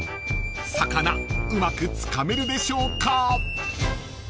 ［魚うまくつかめるでしょうか］